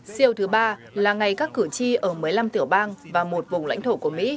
siêu thứ ba là ngày các cử tri ở một mươi năm tiểu bang và một vùng lãnh thổ của mỹ